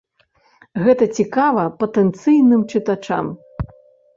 Гэта цікава патэнцыйным чытачам.